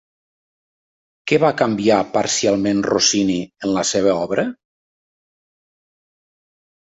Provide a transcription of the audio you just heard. Què va canviar parcialment Rossini en la seva obra?